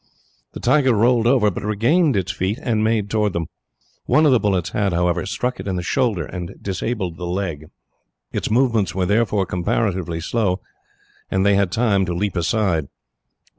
The tiger rolled over, but regained its feet and made towards them. One of the bullets had, however, struck it on the shoulder and disabled the leg. Its movements were therefore comparatively slow, and they had time to leap aside.